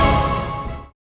mbak aku mau